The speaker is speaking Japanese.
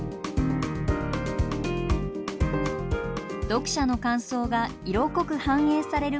読者の感想が色濃く反映される